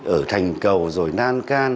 ở thành cầu rồi nan can